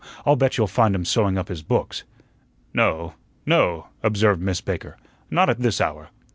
I'll bet you'll find him sewing up his books." "No, no," observed Miss Baker, "not at this hour."